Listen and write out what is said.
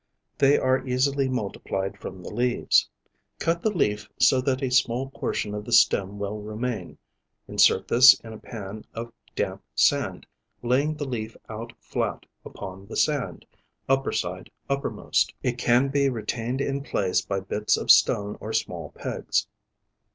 They are easily multiplied from the leaves. Cut the leaf so that a small portion of the stem will remain, insert this in a pan of damp sand, laying the leaf out flat upon the sand, upper side uppermost. It can be retained in place by bits of stone or small pegs.